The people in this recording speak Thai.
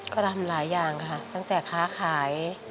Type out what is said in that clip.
ก็ทำหลายอย่างค่ะตั้งแต่ค้าขาย